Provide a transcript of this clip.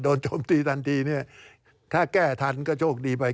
โจมตีทันทีเนี่ยถ้าแก้ทันก็โชคดีไป